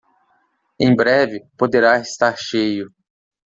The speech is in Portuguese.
Em breve poderá estar cheio.